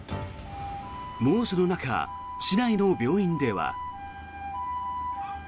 猛暑の中、市内の病院では。